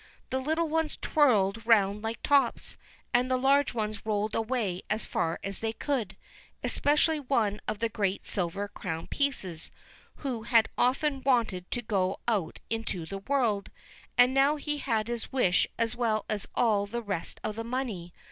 The little ones twirled round like tops, and the large ones rolled away as far as they could, especially one of the great silver crown pieces who had often wanted to go out into the world, and now he had his wish as well as all the rest of the money.